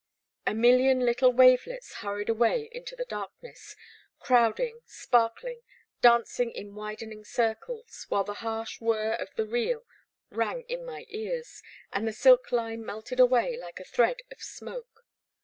A million little wavelets hurried away into the darkness, crowding, sparkling, dancing in widen ing circles, while the harsh whirr of the reel rang in my ears, and the silk line melted away like a thread of smoke.